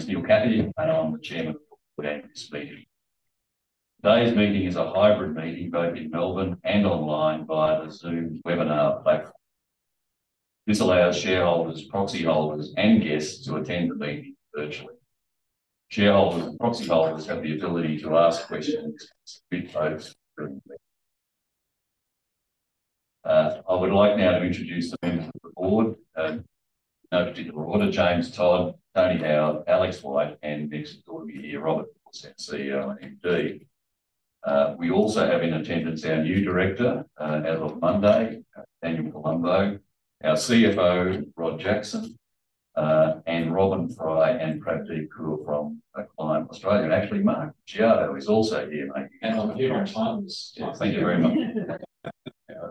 My name is Neil Cathie, and I'm the chairman of Coventry Group Ltd. Today's meeting is a hybrid meeting, both in Melbourne and online via the Zoom webinar platform. This allows shareholders, proxy holders, and guests to attend the meeting virtually. Shareholders and proxy holders have the ability to ask questions, cast votes. I would like now to introduce the members of the board, in no particular order, James Todd, Tony Howarth, Alex White, and next door to me, Robert Bulluss, CEO and MD. We also have in attendance our new director, as of Monday, Daniel Colombo, our CFO, Rod Jackson, and Robyn Fry, and Pradeep Kaur from Acclime Australia. And actually, Mark Licciardo is also here, mate. And I'm here on time. Thank you very much.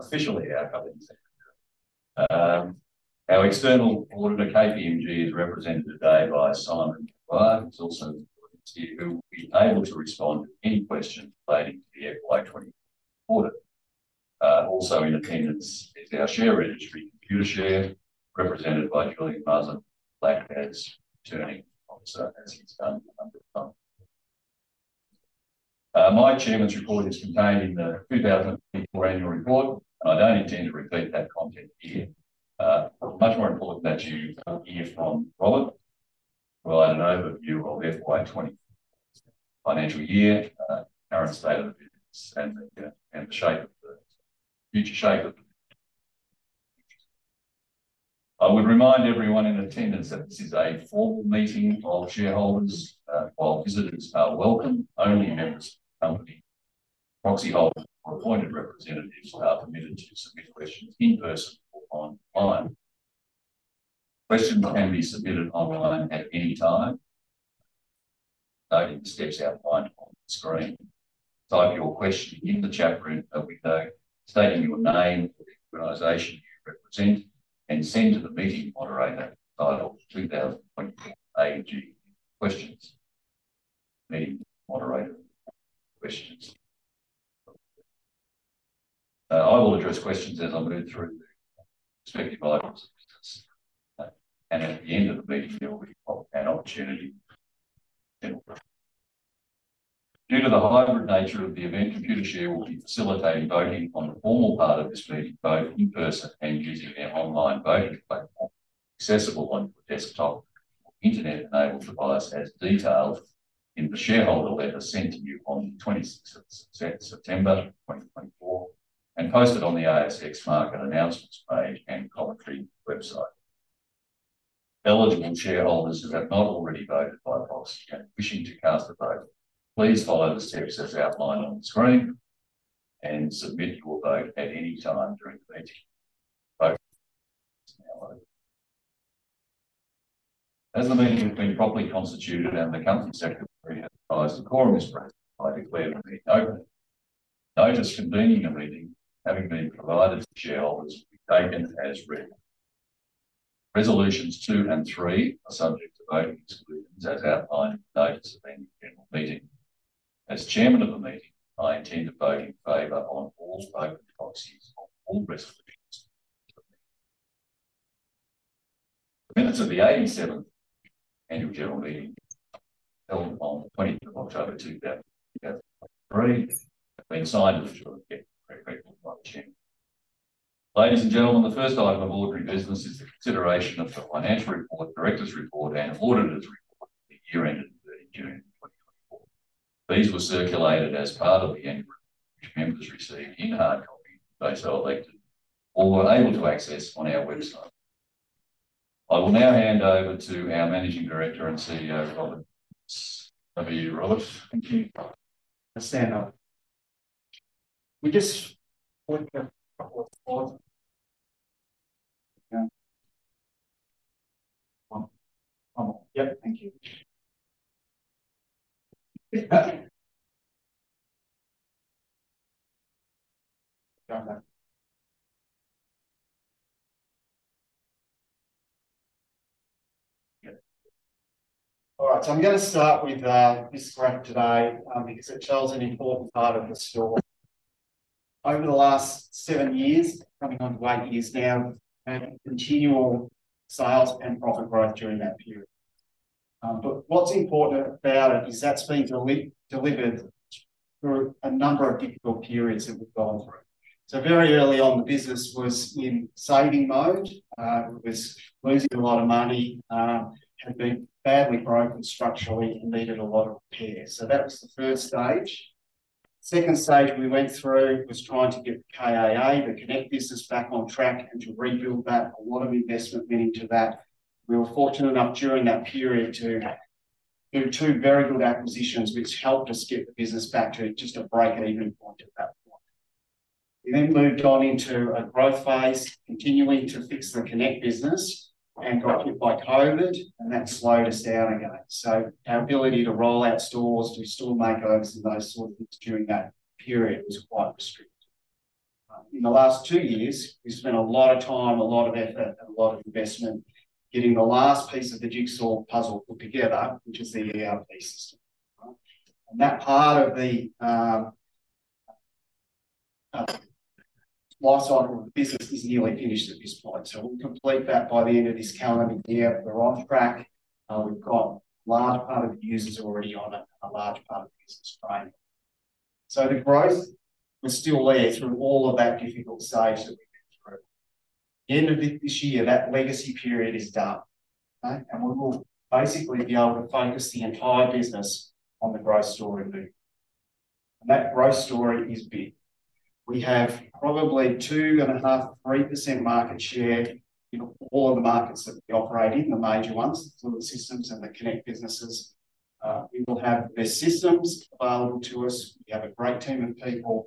Officially, our company secretary. Our external auditor, KPMG, is represented today by Simon Dunbar, who's also here, who will be able to respond to any questions relating to the FY2024 audit. Also in attendance is our share registry, Computershare, represented by Julian Mazza, acting as returning officer, as he's done over time. My Remuneration Report is contained in the 2024 annual report, and I don't intend to repeat that content here. Much more important that you hear from Robert, who will add an overview of FY2024 financial year, current state of the business and the future shape of the. I would remind everyone in attendance that this is a formal meeting of shareholders. While visitors are welcome, only members of the company, proxy holders, or appointed representatives are permitted to submit questions in person or online. Questions can be submitted online at any time, stating the steps outlined on the screen. Type your question in the chat room window, stating your name, organization you represent, and send to the meeting moderator, titled 2024 AGM Questions. Meeting moderator, questions. I will address questions as I move through the respective items, and at the end of the meeting, there will be an opportunity. Due to the hybrid nature of the event, Computershare will be facilitating voting on the formal part of this meeting, both in person and using their online voting platform, accessible on your desktop or internet-enabled device, as detailed in the shareholder letter sent to you on the twenty-sixth of September, twenty twenty-four, and posted on the ASX market announcements page and commentary website. Eligible shareholders who have not already voted by proxy and wishing to cast a vote, please follow the steps as outlined on the screen and submit your vote at any time during the meeting. Vote. As the meeting has been properly constituted and the company secretary has advised the quorum is present, I declare the meeting open. Notice convening a meeting, having been provided to shareholders, will be taken as read. Resolutions two and three are subject to voting exclusions, as outlined in the notice of the general meeting. As chairman of the meeting, I intend to vote in favor on all voted proxies on all resolutions. The minutes of the eighty-seventh annual general meeting, held on the twentieth of October two thousand and twenty-three, have been signed as true and correct by the chair. Ladies and gentlemen, the first item of ordinary business is the consideration of the financial report, directors' report, and auditors' report for the year ended thirty June twenty twenty-four. These were circulated as part of the notice, which members received in hard copy, if they so elected, or were able to access on our website. I will now hand over to our Managing Director and CEO, Robert. Over to you, Robert. Thank you. I stand up. We just want a couple of spots. Yeah. One. One more. Yep, thank you. Got that. Yeah. All right, so I'm going to start with this graph today, because it shows an important part of the story. Over the last seven years, coming on eight years now, and continual sales and profit growth during that period. But what's important about it is that's been delivered through a number of difficult periods that we've gone through. So very early on, the business was in saving mode, it was losing a lot of money, had been badly broken structurally, and needed a lot of repair. So that was the first stage. Second stage we went through was trying to get Konnect, the Konnect business, back on track and to rebuild that. A lot of investment went into that. We were fortunate enough during that period to do two very good acquisitions, which helped us get the business back to just a break-even point at that point. We then moved on into a growth phase, continuing to fix the Konnect business, and got hit by COVID, and that slowed us down again. So our ability to roll out stores, to store makeovers, and those sort of things during that period was quite restricted. In the last two years, we spent a lot of time, a lot of effort, and a lot of investment getting the last piece of the jigsaw puzzle put together, which is the ERP system. And that part of the life cycle of the business is nearly finished at this point, so we'll complete that by the end of this calendar year. We're on track. We've got a large part of the users are already on it, and a large part of the business frame. So the growth was still there through all of that difficult stage that we went through. End of this year, that legacy period is done, okay? And we will basically be able to focus the entire business on the growth story loop, and that growth story is big. We have probably 2.5%-3% market share in all of the markets that we operate in, the major ones, Fluid Systems and the Konnect businesses. We will have their systems available to us. We have a great team of people,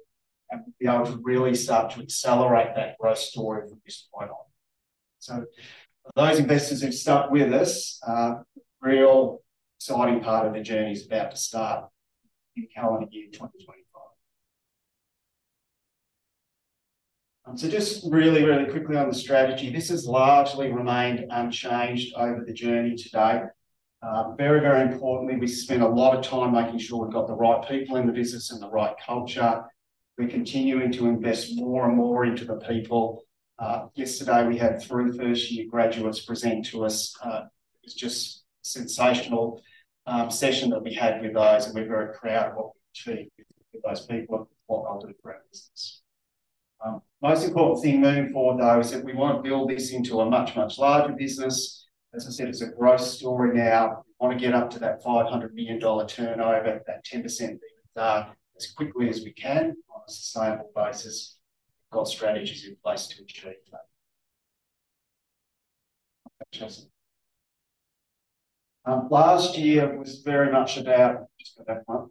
and we'll be able to really start to accelerate that growth story from this point on. So for those investors who've stuck with us, real exciting part of the journey is about to start in calendar year 2025. Just really, really quickly on the strategy, this has largely remained unchanged over the journey to date. Very, very importantly, we spent a lot of time making sure we've got the right people in the business and the right culture. We're continuing to invest more and more into the people. Yesterday, we had three first-year graduates present to us. It was just a sensational session that we had with those, and we're very proud of what we've achieved with those people and what they'll do for our business. Most important thing moving forward, though, is that we want to build this into a much, much larger business. As I said, it's a growth story now. We want to get up to that 500 million dollar turnover, that 10% EBITDA as quickly as we can on a sustainable basis. We've got strategies in place to achieve that. Last year was very much about the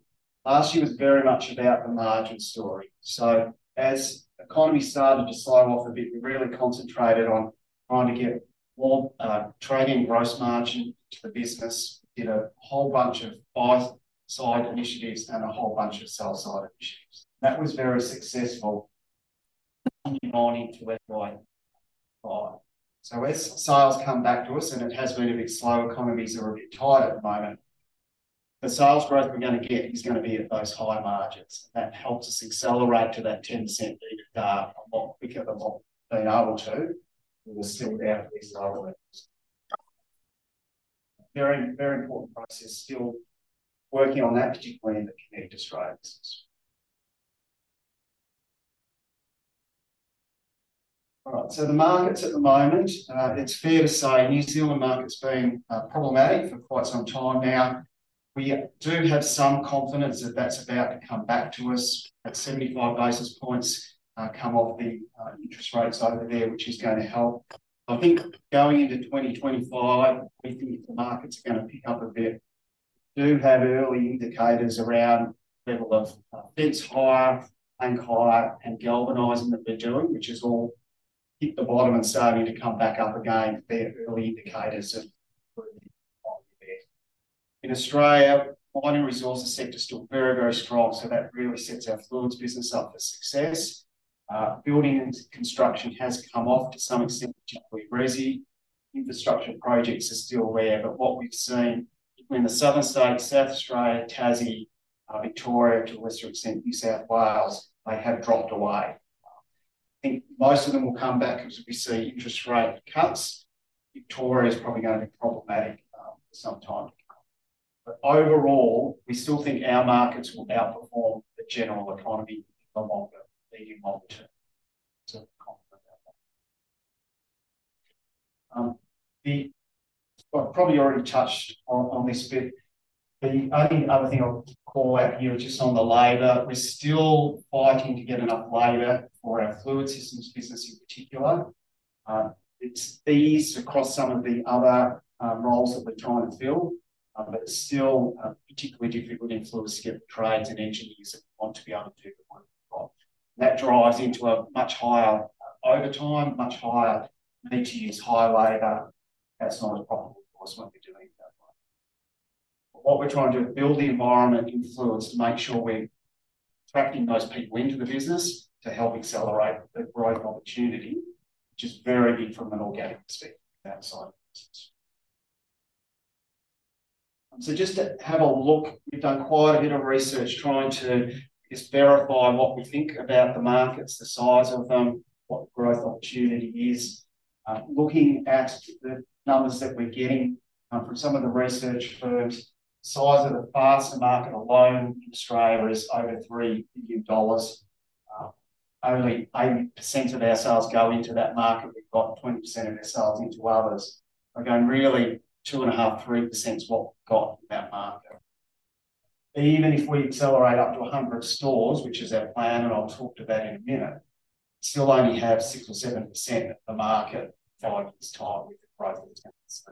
margin story, so as economy started to slow off a bit, we really concentrated on trying to get more trading gross margin to the business. Did a whole bunch of buy-side initiatives and a whole bunch of sell-side initiatives. That was very successful leading on into FY2025. So as sales come back to us, and it has been a bit slow, economies are a bit tight at the moment, the sales growth we're gonna get is gonna be at those high margins. That helps us accelerate to that 10% EBITDA a lot quicker than what we've been able to, and we're still down at these levels. Very, very important process, still working on that, particularly in the Konnect Australia business. All right, so the markets at the moment, it's fair to say, New Zealand market's been problematic for quite some time now. We do have some confidence that that's about to come back to us. That 75 basis points come off the interest rates over there, which is gonna help. I think going into 2025, we think the markets are gonna pick up a bit. We do have early indicators around level of fence hire, plank hire, and galvanizing that we're doing, which has all hit the bottom and starting to come back up again. They're early indicators of improvement there. In Australia, mining resources sector is still very, very strong, so that really sets our Fluids business up for success. Building and construction has come off to some extent, particularly resi. Infrastructure projects are still there, but what we've seen in the southern states, South Australia, Tasmania, Victoria, to a lesser extent, New South Wales, they have dropped away. I think most of them will come back as we see interest rate cuts. Victoria's probably gonna be problematic for some time to come. But overall, we still think our markets will outperform the general economy the longer term. So confident about that. I've probably already touched on this bit, the only other thing I'll call out here just on the labor, we're still fighting to get enough labor for our Fluid Systems business in particular. It's eased across some of the other roles that we're trying to fill, but still particularly difficult in Fluids to get the trades and engineers that we want to be able to do the work. That drives into a much higher overtime, much higher need to use hire labor. That's not as profitable for us when we're doing it that way. What we're trying to do, build the environment in Fluids to make sure we're attracting those people into the business to help accelerate the growth opportunity, which is very big from an organic perspective from that side of the business. So just to have a look, we've done quite a bit of research trying to just verify what we think about the markets, the size of them, what the growth opportunity is. Looking at the numbers that we're getting from some of the research firms, the size of the fastener market alone in Australia is over 3 billion dollars. Only 80% of our sales go into that market. We've got 20% of our sales into others. Again, really, 2.5-3% is what we've got in that market. Even if we accelerate up to 100 stores, which is our plan, and I'll talk to that in a minute, we still only have 6 or 7% of the market this time with the growth intentions.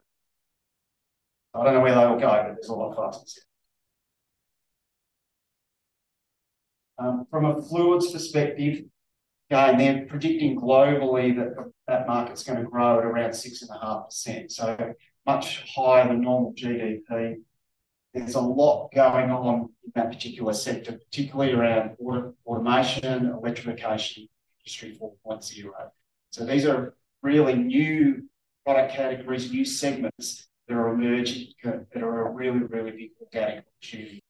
I don't know where they will go, but there's a lot faster. From a Fluids perspective, going forward, predicting globally that the market's gonna grow at around 6.5%, so much higher than normal GDP. There's a lot going on in that particular sector, particularly around automation, electrification, Industry 4.0. So these are really new product categories, new segments that are emerging, that are a really, really big organic opportunity.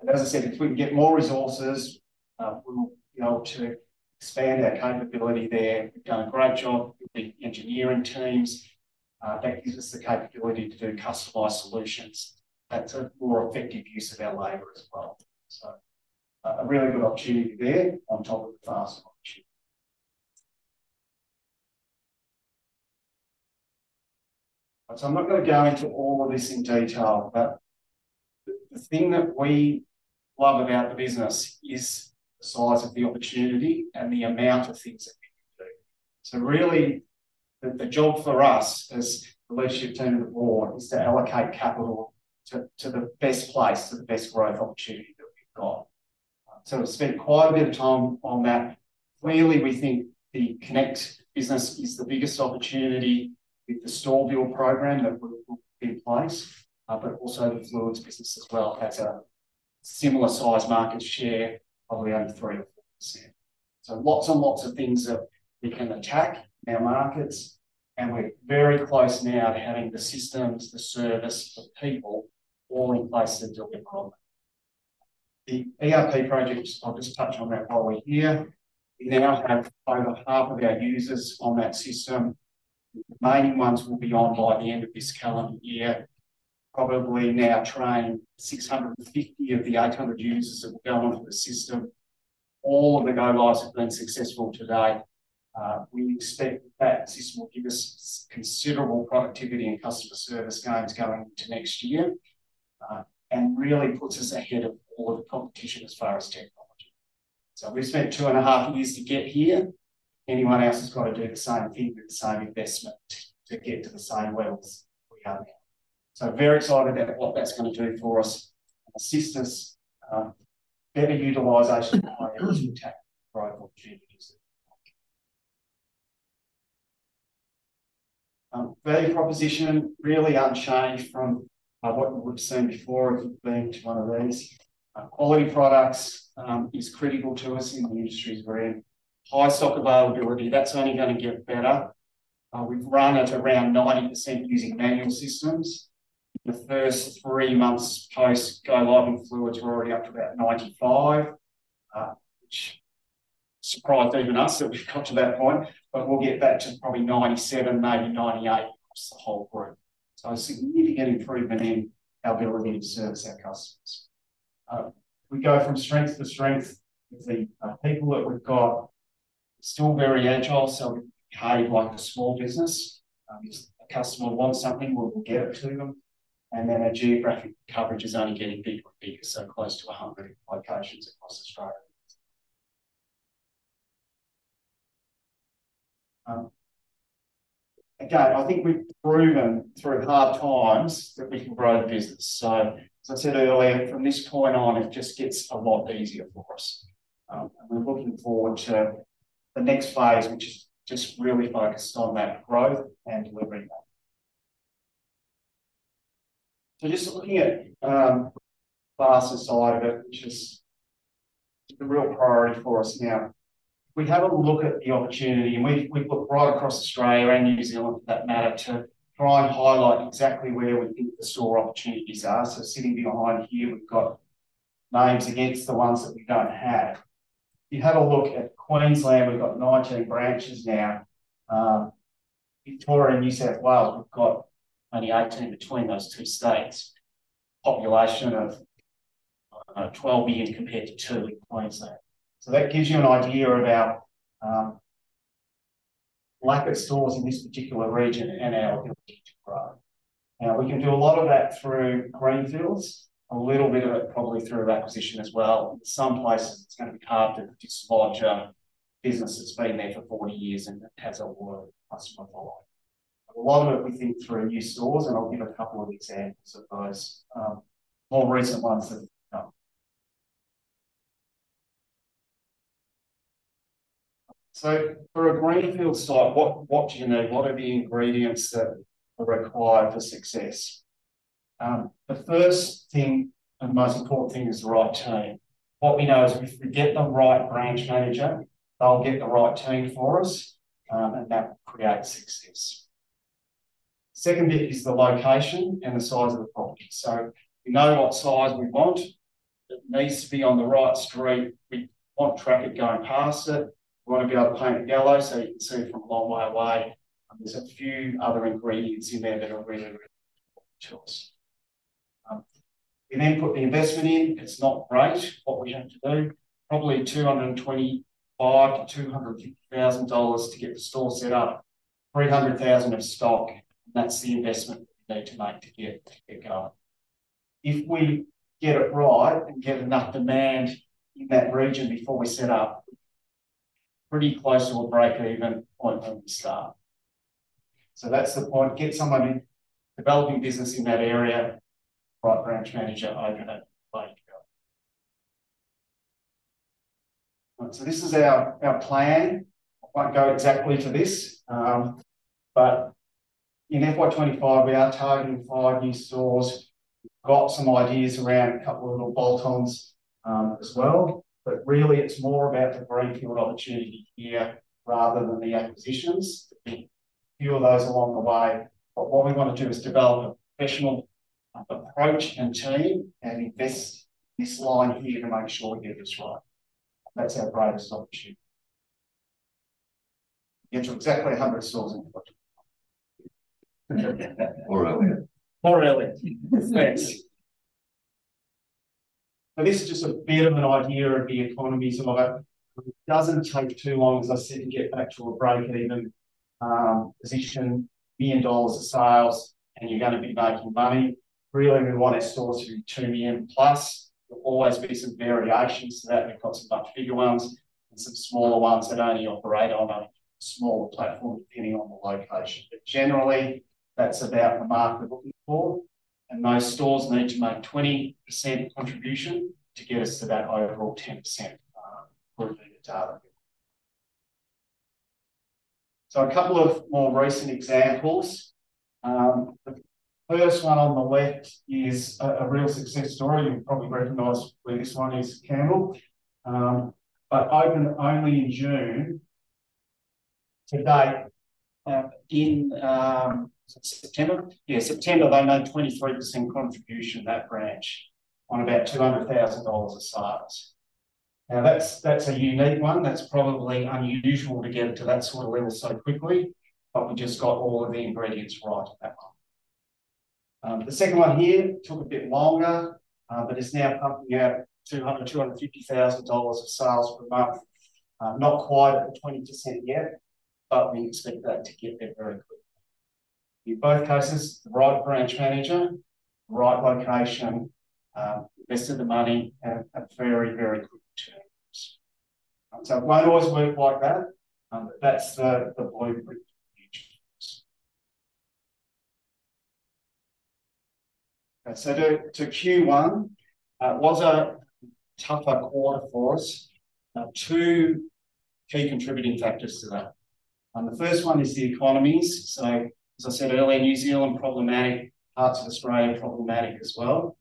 And as I said, if we can get more resources, we will be able to expand our capability there. We've done a great job with the engineering teams, that gives us the capability to do customized solutions. That's a more effective use of our labor as well. So, a really good opportunity there on top of the fasteners opportunity. So I'm not gonna go into all of this in detail, but the, the thing that we love about the business is the size of the opportunity and the amount of things that we can do. So really, the job for us as the leadership team and the board is to allocate capital to the best place, to the best growth opportunity that we've got. So we've spent quite a bit of time on that. Clearly, we think the Konnect business is the biggest opportunity with the store build program that we've put in place, but also the Fluids business as well. That's a similar size market share of only 3% or 4%. So lots and lots of things that we can attack our markets, and we're very close now to having the systems, the service, the people all in place to deliver on them. The ERP projects, I'll just touch on that while we're here. We now have over half of our users on that system. The remaining ones will be on by the end of this calendar year, probably now train 650 of the 800 users that will go onto the system. All of the go lives have been successful to date. We expect that system will give us considerable productivity and customer service gains going into next year, and really puts us ahead of all the competition as far as technology. So we've spent two and a half years to get here. Anyone else has got to do the same thing with the same investment to get to the same levels we have now. So very excited about what that's gonna do for us, assist us, better utilization of our energy tech growth opportunities. Value proposition, really unchanged from, what we've seen before, if you've been to one of these. Quality products is critical to us in the industry we're in. High stock availability, that's only gonna get better. We've run at around 90% using manual systems. In the first three months, post go live and Fluids, we're already up to about 95%, which surprised even us that we've got to that point, but we'll get that to probably 97%, maybe 98% across the whole group. So a significant improvement in our ability to service our customers. We go from strength to strength with the people that we've got. Still very agile, so we carry like a small business. If a customer wants something, we will get it to them, and then our geographic coverage is only getting bigger and bigger, so close to 100 locations across Australia. Again, I think we've proven through hard times that we can grow the business. So as I said earlier, from this point on, it just gets a lot easier for us, and we're looking forward to the next phase, which is just really focused on that growth and delivering that. So just looking at the fastener side of it, which is the real priority for us now. We have a look at the opportunity, and we look right across Australia and New Zealand, for that matter, to try and highlight exactly where we think the store opportunities are. So sitting behind here, we've got names against the ones that we don't have. If you have a look at Queensland, we've got 19 branches now. Victoria and New South Wales, we've got only 18 between those two states. Population of, I don't know, twelve million compared to two in Queensland. So that gives you an idea of our lack of stores in this particular region and our ability to grow. Now, we can do a lot of that through greenfields, a little bit of it, probably through acquisition as well. Some places, it's gonna be hard to dislodge a business that's been there for forty years and has a lot of customer follow. A lot of it, we think, through new stores, and I'll give a couple of examples of those more recent ones that have come. So for a greenfield site, what do you need? What are the ingredients that are required for success? The first thing and most important thing is the right team. What we know is, if we get the right branch manager, they'll get the right team for us, and that creates success. Second thing is the location and the size of the property. So we know what size we want. It needs to be on the right street. We want traffic going past it. We want to be able to paint it yellow, so you can see it from a long way away. And there's a few other ingredients in there that are really, really important to us. We then put the investment in. It's not great, what we have to do, probably 225,000-250,000 dollars to get the store set up, 300,000 of stock. That's the investment we need to make to get going. If we get it right and get enough demand in that region before we set up, pretty close to a break-even point when we start. So that's the point, get someone in, developing business in that area, right branch manager over that way to go. So this is our plan. It won't go exactly to this, but in FY2025, we are targeting five new stores. Got some ideas around a couple of little bolt-ons, as well, but really, it's more about the greenfield opportunity here, rather than the acquisitions. A few of those along the way, but what we want to do is develop a professional approach and team, and invest this line here to make sure we get this right. That's our greatest opportunity. Get to exactly a hundred stores in the future. Or earlier. Or earlier. Thanks. So this is just a bit of an idea of the economies of it. It doesn't take too long, as I said, to get back to a break-even position, 1 million dollars in sales, and you're going to be making money. Really, we want our stores to be 2 million plus. There'll always be some variations to that. We've got some much bigger ones, and some smaller ones that only operate on a smaller platform, depending on the location. But generally, that's about the mark we're looking for, and those stores need to make 20% contribution to get us to that overall 10% revenue target. So a couple of more recent examples. The first one on the left is a real success story. You'll probably recognize where this one is, Campbellfield. But opened only in June, to date, in September? Yeah, September, they made 23% contribution, that branch, on about 200,000 dollars of sales. Now, that's a unique one. That's probably unusual to get to that sort of level so quickly, but we just got all of the ingredients right on that one. The second one here took a bit longer, but is now pumping out 200,000-250,000 dollars of sales per month. Not quite at the 20% yet, but we expect that to get there very quickly. In both cases, the right branch manager, right location, invested the money, and a very, very good return. So it won't always work like that, but that's the blueprint. So to Q1 was a tougher quarter for us. Two key contributing factors to that. The first one is the economies. As I said earlier, New Zealand, problematic. Parts of Australia are problematic as well.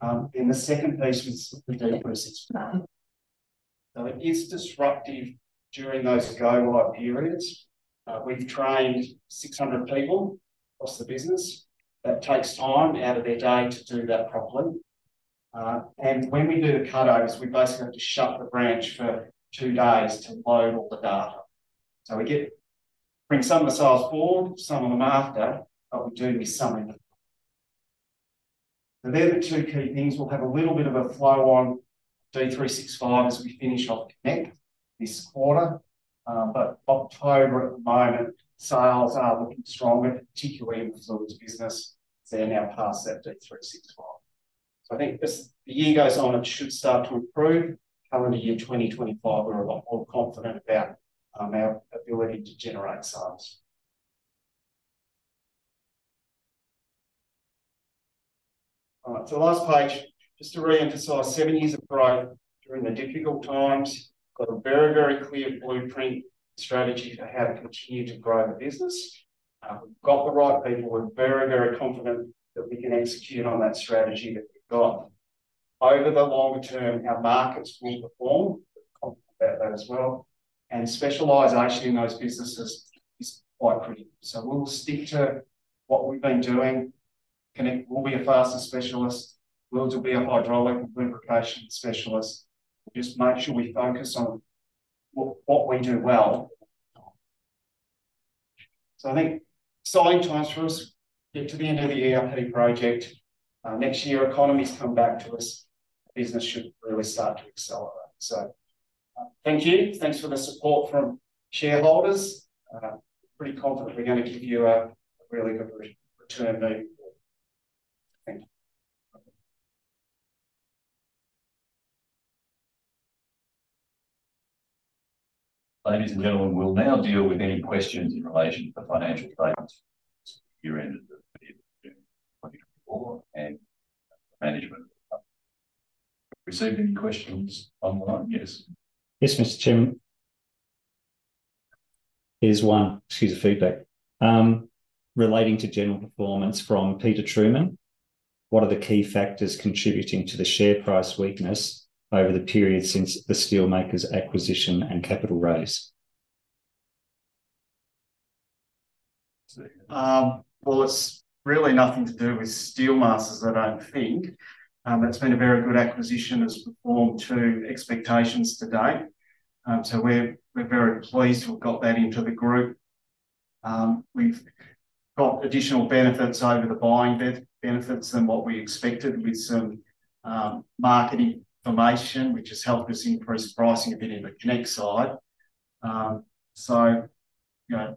Then the second piece was the D365. Now, it is disruptive during those go live periods. We've trained 600 people across the business. That takes time out of their day to do that properly. And when we do the cutovers, we basically have to shut the branch for two days to load all the data. So we bring some of the sales forward, some of them after, but we do miss some of it. So they're the two key things. We'll have a little bit of a flow on D365 as we finish off Konnect this quarter, but October at the moment, sales are looking stronger, particularly in the facilities business. They're now past that D365. So I think as the year goes on, it should start to improve. Come into year twenty twenty-five, we're a lot more confident about our ability to generate sales, so the last page, just to reemphasize, seven years of growth during the difficult times, got a very, very clear blueprint strategy for how to continue to grow the business. We've got the right people. We're very, very confident that we can execute on that strategy that we've got. Over the longer term, our markets will perform, confident about that as well, and specialization in those businesses is quite critical. So we'll stick to what we've been doing. Konnect, we'll be a fastener specialist. Fluids will be a hydraulic and lubrication specialist. Just make sure we focus on what we do well, so I think exciting times for us. Get to the end of the ERP project next year, economies come back to us, business should really start to accelerate. So, thank you. Thanks for the support from shareholders. Pretty confident we're gonna give you a really good return on your investment. Thank you. Ladies and gentlemen, we'll now deal with any questions in relation to the financial statements, year ended 30 June 2024, and management. Received any questions online? Yes. Yes, Mr. Chairman. Here's one. Excuse the feedback. Relating to general performance from Peter Truman, what are the key factors contributing to the share price weakness over the period since the Steelmasters acquisition and capital raise? It's really nothing to do with Steelmasters, I don't think. It's been a very good acquisition. It's performed to expectations to date. So we're very pleased we've got that into the group. We've got additional benefits over the buying benefits than what we expected with some market information, which has helped us increase pricing a bit in the Konnect side. So, you know,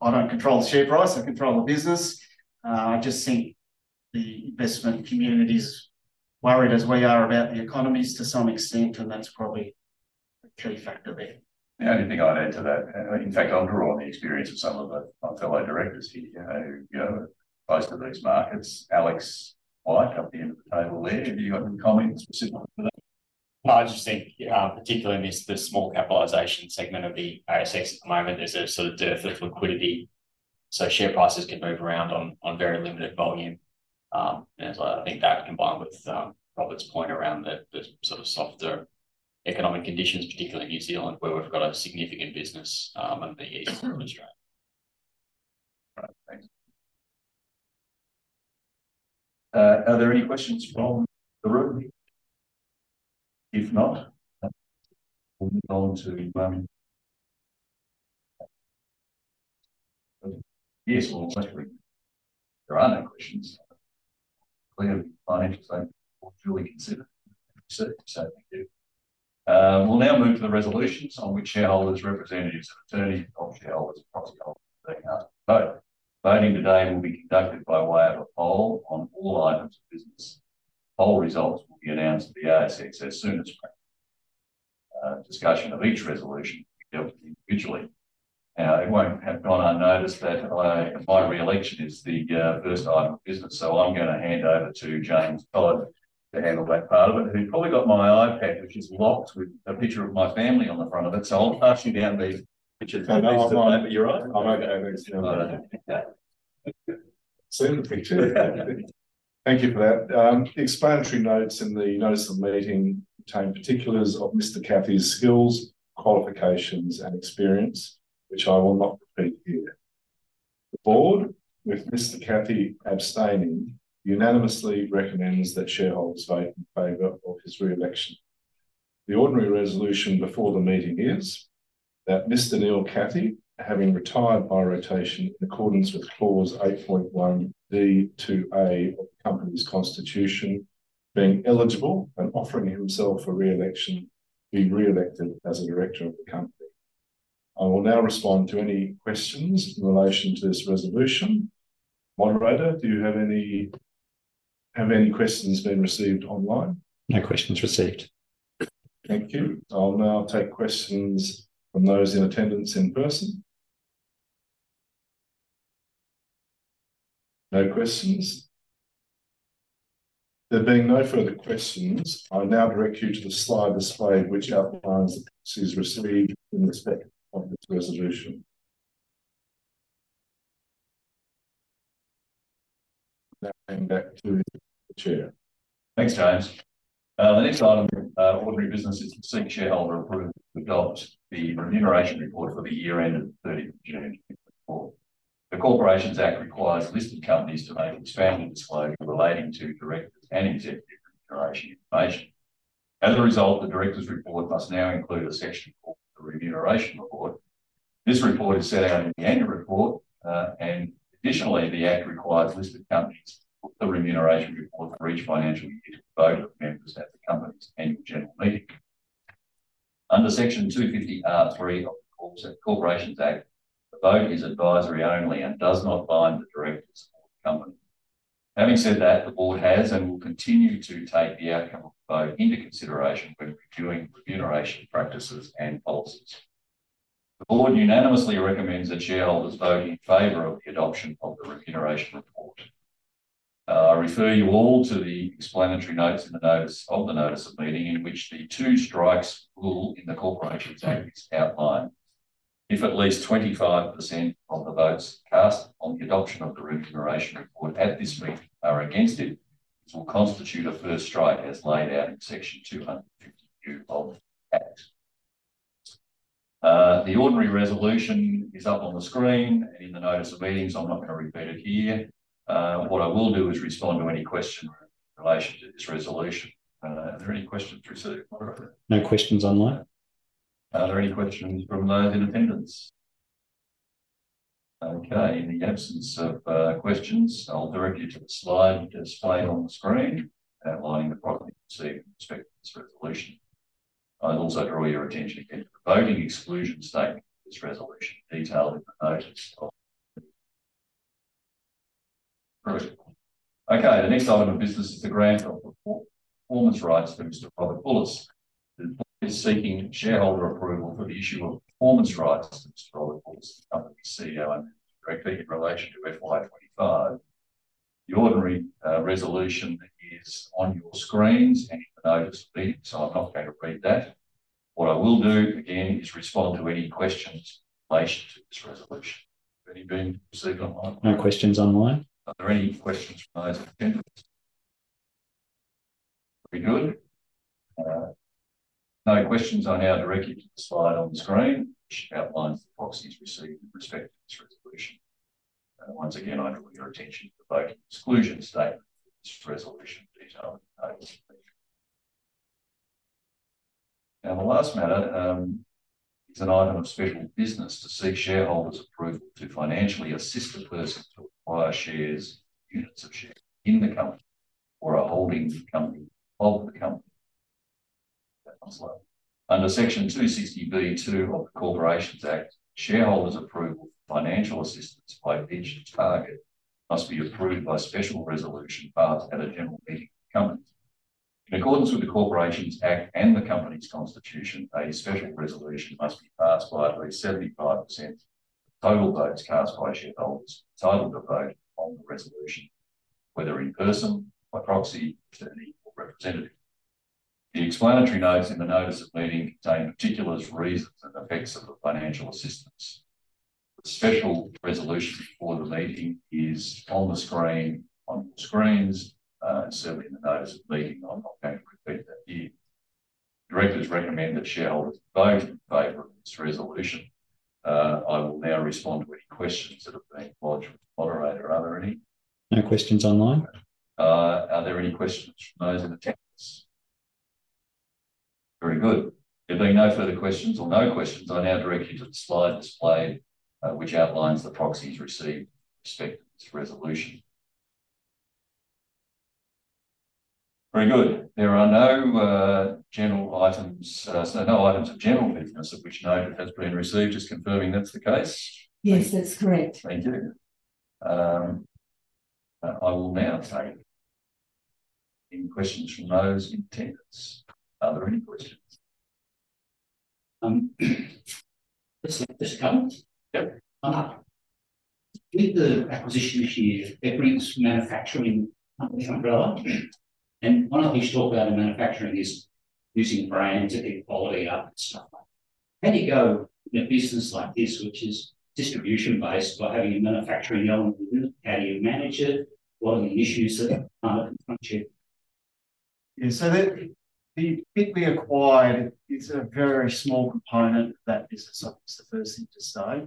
I don't control the share price, I control the business. I just think the investment community's worried, as we are, about the economies to some extent, and that's probably a key factor there. The only thing I'd add to that, and in fact, I'll draw on the experience of some of the, my fellow directors here, you know, who go close to these markets. Alex White, up the end of the table there, have you got any comments specifically for that? No, I just think, particularly in this, the small capitalization segment of the ASX at the moment, there's a sort of dearth of liquidity. So share prices can move around on very limited volume. And so I think that combined with Robert's point around the sort of softer economic conditions, particularly in New Zealand, where we've got a significant business, in the east of Australia. Right, thanks. Are there any questions from the room? If not, we'll move on to, yes, well, there are no questions. Clear financial plan, fully considered, so thank you. We'll now move to the resolutions on which shareholders, representatives, and attorneys of shareholders are being asked to vote. Voting today will be conducted by way of a poll on all items of business. Poll results will be announced to the ASX as soon as discussion of each resolution dealt with individually. Now, it won't have gone unnoticed that my re-election is the first item of business, so I'm going to hand over to James Todd to handle that part of it, who probably got my iPad, which is locked with a picture of my family on the front of it, so I'll pass you down these pictures. You're right. I'm okay. Yeah. See you in the picture. Thank you for that. Explanatory notes in the notice of the meeting contain particulars of Mr. Cathie's skills, qualifications, and experience, which I will not repeat here. The board, with Mr. Cathie abstaining, unanimously recommends that shareholders vote in favor of his re-election. The ordinary resolution before the meeting is that Mr. Neil Cathie, having retired by rotation in accordance with Clause 8.1(d)(2)(a) of the Company's Constitution, being eligible and offering himself for re-election, be re-elected as a director of the Company. I will now respond to any questions in relation to this resolution. Moderator, have any questions been received online? No questions received. Thank you. I'll now take questions from those in attendance in person. No questions? There being no further questions, I will now direct you to the slide display, which outlines the proxies received in respect of this resolution. Now, back to the Chair. Thanks, James. The next item of ordinary business is to seek shareholder approval to adopt the remuneration report for the year ended thirty June. The Corporations Act requires listed companies to make expanded disclosure relating to directors and executive remuneration information. As a result, the directors' report must now include a section called the Remuneration Report. This report is set out in the annual report, and additionally, the Act requires listed companies, the remuneration report for each financial year to vote of members at the company's annual general meeting. Under Section 250R(3) of the Corporations Act, the vote is advisory only and does not bind the directors of the company. Having said that, the board has and will continue to take the outcome of the vote into consideration when reviewing remuneration practices and policies. The board unanimously recommends that shareholders vote in favor of the adoption of the remuneration report. I refer you all to the explanatory notes in the notice of meeting, in which the two strikes rule in the Corporations Act is outlined. If at least 25% of the votes cast on the adoption of the remuneration report at this meeting are against it, this will constitute a first strike, as laid out in Section 250Q of the Act. The ordinary resolution is up on the screen and in the notice of meetings. I'm not going to repeat it here. What I will do is respond to any question in relation to this resolution. Are there any questions received, moderator? No questions online. Are there any questions from those in attendance? Okay. In the absence of questions, I'll direct you to the slide displayed on the screen, outlining the proxies received in respect of this resolution. I'd also draw your attention to the voting exclusion statement, this resolution, detailed in the notice of... Okay, the next item of business is the grant of performance rights for Mr. Robert Bulluss, is seeking shareholder approval for the issue of performance rights to Mr. Robert Bulluss, company CEO, and directly in relation to FY2025. The ordinary resolution is on your screens and in the notice of meeting, so I'm not going to repeat that. What I will do, again, is respond to any questions in relation to this resolution. Have any been received online? No questions online. Are there any questions from those in attendance? Very good. No questions, I now direct you to the slide on the screen, which outlines the policies received with respect to this resolution. Once again, I draw your attention to the voting exclusion statement for this resolution, detailed in the notice. Now, the last matter is an item of special business to seek shareholders approval to financially assist a person to acquire shares, units of shares in the company or a holding company of the company. Under Section 260B(2) of the Corporations Act, shareholders' approval for financial assistance by each target must be approved by special resolution passed at a general meeting of the company. In accordance with the Corporations Act and the company's constitution, a special resolution must be passed by at least 75% of total votes cast by shareholders entitled to vote on the resolution, whether in person, by proxy, attorney, or representative. The explanatory notes in the notice of meeting contain particulars, reasons, and effects of the financial assistance. The special resolution for the meeting is on the screen, on your screens, and certainly in the notice of the meeting. I'm not going to repeat that here. Directors recommend that shareholders vote in favor of this resolution. I will now respond to any questions that have been lodged with the moderator. Are there any? No questions online. Are there any questions from those in attendance? Very good. There being no further questions or no questions, I now direct you to the slide displayed, which outlines the proxies received respecting this resolution. Very good. There are no general items, so no items of general business of which notice has been received. Just confirming that's the case? Yes, that's correct. Thank you. I will now take any questions from those in attendance. Are there any questions? Let's go. Yep. With the acquisition this year, it brings manufacturing under the umbrella, and one of the things you talk about in manufacturing is using brand to pick quality up and stuff like that. How do you go in a business like this, which is distribution-based, by having a manufacturing element in it? How do you manage it? What are the issues that come up in front of you? Yeah, so the bit we acquired is a very small component of that business. That's the first thing to say.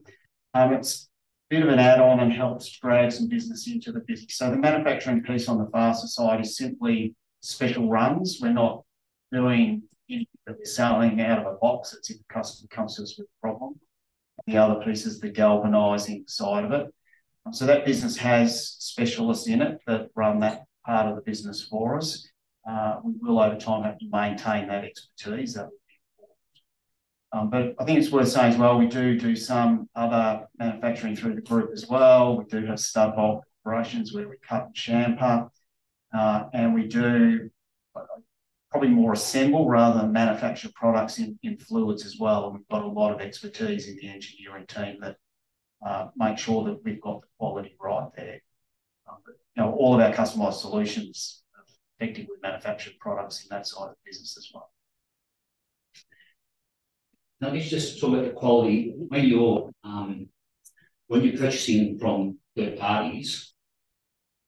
It's a bit of an add-on and helps drive some business into the business. So the manufacturing piece on the fastener side is simply special runs. We're not doing anything, but we're selling out of a box, it's if a customer comes to us with a problem. The other piece is the galvanizing side of it. So that business has specialists in it that run that part of the business for us. We will, over time, have to maintain that expertise, that would be important. But I think it's worth saying as well, we do do some other manufacturing through the group as well. We do have stud bolt operations where we cut and chamfer, and we do probably more assemble rather than manufacture products in Fluids as well. We've got a lot of expertise in the engineering team that make sure that we've got the quality right there, but, you know, all of our customized solutions are effectively manufactured products in that side of the business as well. Now, let's just talk about the quality. When you're purchasing from third parties,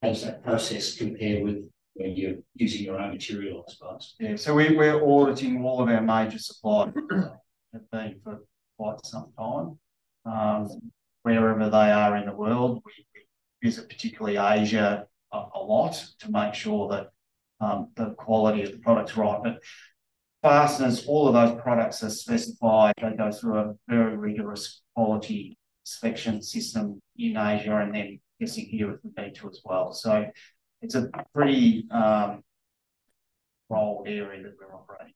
how does that process compare with when you're using your own material, I suppose? Yeah. So we're auditing all of our major suppliers, have been for quite some time, wherever they are in the world. We visit, particularly Asia, a lot to make sure that the quality of the product is right. But fasteners, all of those products are specified. They go through a very rigorous quality inspection system in Asia and then again here at the branch as well. So it's a pretty broad area that we're operating.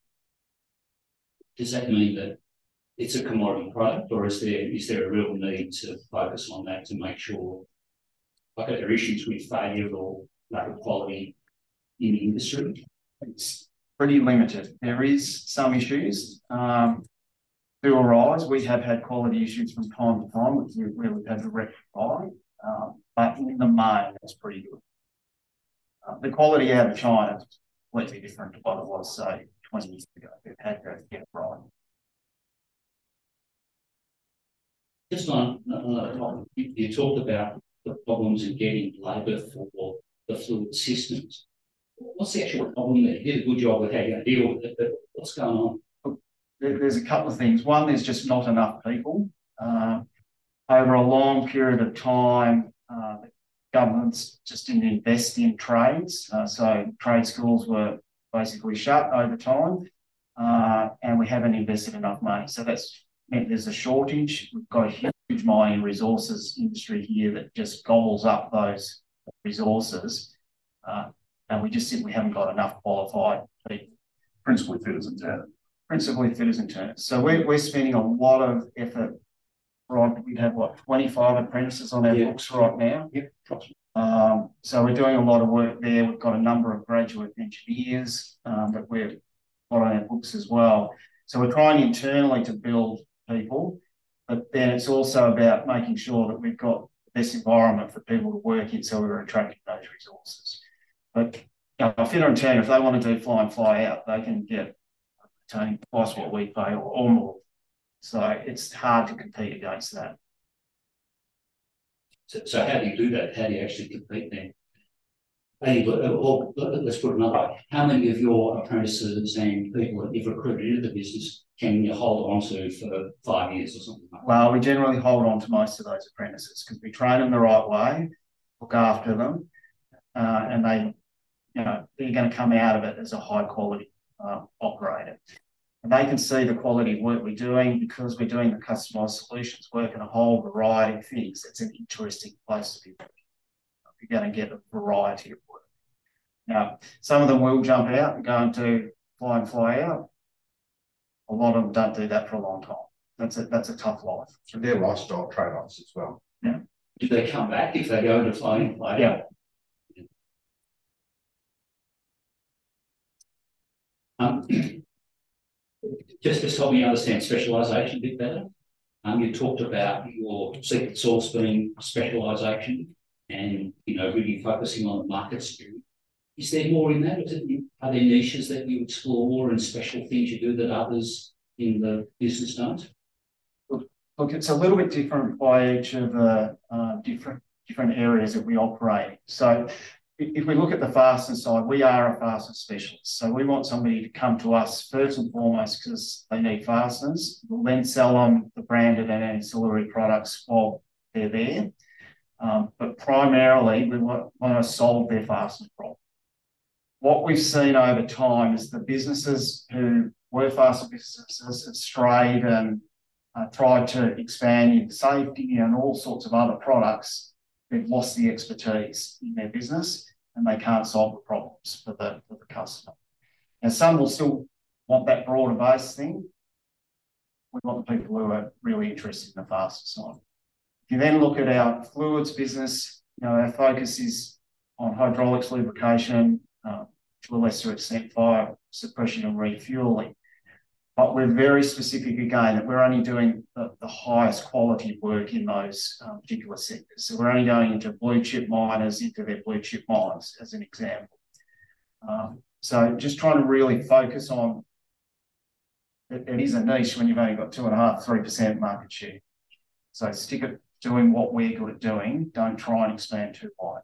Does that mean that it's a commodity product, or is there a real need to focus on that to make sure, like, there are issues with failure or lack of quality in the industry? It's pretty limited. There is some issues do arise. We have had quality issues from time to time, which we really have rectified, but in the main, it's pretty good. The quality out of China is completely different to what it was, say, twenty years ago. We've had to get it right. Just on another topic, you talked about the problems in getting labor for the Fluid Systems. What's the actual problem there? You did a good job with how you're going to deal with it, but what's going on? There, there's a couple of things. One, there's just not enough people. Over a long period of time, governments just didn't invest in trades. So trade schools were basically shut over time, and we haven't invested enough money, so that's meant there's a shortage. We've got a huge mining resources industry here that just gobbles up those resources, and we just simply haven't got enough qualified people. Principal fitters and turn. Principal fitters and turners. So we're, we're spending a lot of effort, right? We have, what, twenty-five apprentices on our books right now? Yep. Gotcha. So we're doing a lot of work there. We've got a number of graduate engineers that we've got on our books as well. So we're trying internally to build people, but then it's also about making sure that we've got the best environment for people to work in, so we're attracting those resources. But a fitter and turner, if they want to do fly-in fly-out, they can get twice what we pay or more. So it's hard to compete against that. So, how do you do that? How do you actually compete then? Any good or let's put it another way, how many of your apprentices and people that you've recruited into the business can you hold on to for five years or something like that? Well, we generally hold on to most of those apprentices 'cause we train them the right way, look after them, and they, you know, they're gonna come out of it as a high-quality operator. And they can see the quality of work we're doing because we're doing the customized solutions work and a whole variety of things. It's an interesting place to be working. You're gonna get a variety of work. Now, some of them will jump out and go and do fly-in fly-out. A lot of them don't do that for a long time. That's a tough life. There are lifestyle trade-offs as well. Yeah. Do they come back if they go to fly-in fly-out? Yeah. Just help me understand specialization a bit better. You talked about your secret sauce being specialization and, you know, really focusing on the market sphere. Is there more in that, or is it, are there niches that you explore and special things you do that others in the business don't? Look, it's a little bit different by each of the different areas that we operate. So if we look at the fastener side, we are a fastener specialist, so we want somebody to come to us first and foremost 'cause they need fasteners. We'll then sell on the branded and ancillary products while they're there. But primarily, we wanna solve their fastener problem. What we've seen over time is the businesses who were fastener businesses have strayed and tried to expand into safety and all sorts of other products. They've lost the expertise in their business, and they can't solve the problems for the customer. And some will still want that broader base thing. We want the people who are really interested in the fastener side. If you then look at our Fluids business, you know, our focus is on hydraulics, lubrication, to a lesser extent, fire suppression and refueling. But we're very specific again, that we're only doing the highest quality work in those particular sectors. So we're only going into blue-chip miners, into their blue-chip miners, as an example. So just trying to really focus on... It is a niche when you've only got 2.5%-3% market share. So stick at doing what we're good at doing, don't try and expand too wide.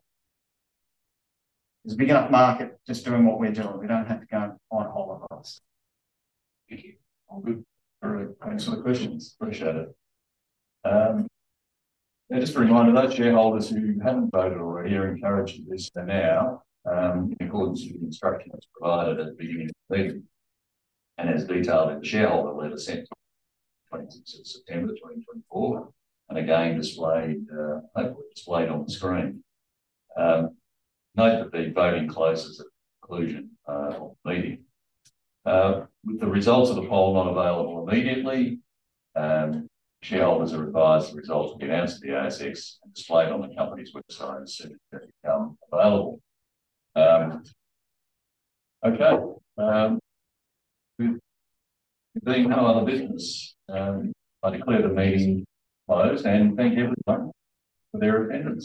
There's a big enough market just doing what we're doing. We don't have to go and find all of us. Thank you. All good. All right. Excellent questions. Appreciate it, and just a reminder, those shareholders who haven't voted already are encouraged to do so now, in accordance with the instructions provided at the beginning of the meeting and as detailed in the shareholder letter sent twenty-sixth of September twenty twenty-four, and again, displayed, hopefully displayed on the screen. Note that the voting closes at the conclusion of the meeting. With the results of the poll not available immediately, shareholders are advised the results will be announced to the ASX and displayed on the company's website as soon as they become available. Okay, if there are no other business, I declare the meeting closed, and thank everyone for their attendance.